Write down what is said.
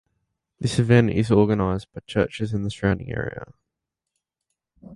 This event is organised by the churches in the surrounding area.